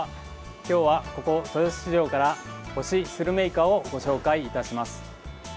今日は、ここ豊洲市場から干しスルメイカをご紹介いたします。